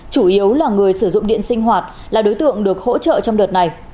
chủ yếu là người sử dụng điện sinh hoạt là đối tượng được hỗ trợ trong đợt này